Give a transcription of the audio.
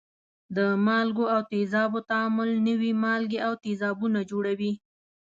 د مالګو او تیزابو تعامل نوي مالګې او تیزابونه جوړوي.